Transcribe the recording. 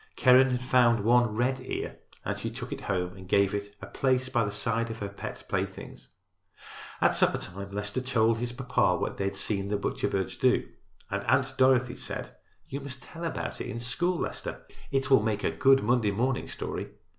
Keren had found one red ear and she took it home and gave it a place by the side of her pet playthings. At supper time Leicester told his papa what they had seen the butcher birds do, and Aunt Dorothy said: "You must tell about it in school, Leicester; it will make a good Monday morning story."